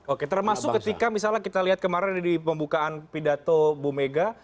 oke termasuk ketika misalnya kita lihat kemarin di pembukaan pidato bu mega